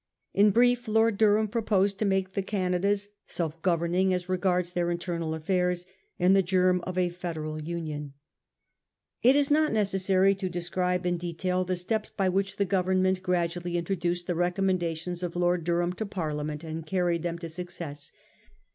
In brief, *Lord Durham proposed to make the Canadas self governing as regards their internal affairs, and the germ of a federal union. 1839 40. THE RESULT OF DURHAM'S MISSION. 79 It is not necessary to describe in detail the steps by which the Government gradually introduced the recommendations of Lord Durham to Parliament and carried them to success.